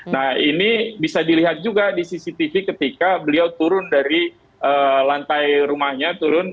nah ini bisa dilihat juga di cctv ketika beliau turun dari lantai rumahnya turun